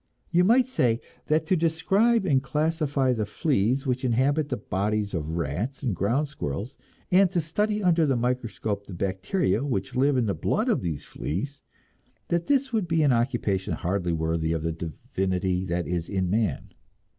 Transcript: You might say that to describe and classify the fleas which inhabit the bodies of rats and ground squirrels, and to study under the microscope the bacteria which live in the blood of these fleas that this would be an occupation hardly worthy of the divinity that is in man.